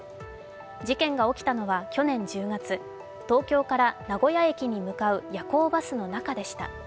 事件が起きたのは去年１０月、東京から名古屋に向かう夜行バスの中でした。